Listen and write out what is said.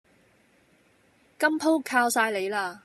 今鋪靠曬你啦！